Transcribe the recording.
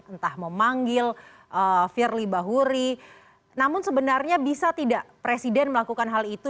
entah memanggil firly bahuri namun sebenarnya bisa tidak presiden melakukan hal itu